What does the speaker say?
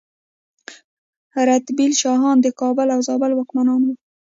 رتبیل شاهان د کابل او زابل واکمنان وو